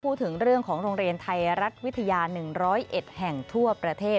พูดถึงเรื่องของโรงเรียนไทยรัฐวิทยา๑๐๑แห่งทั่วประเทศ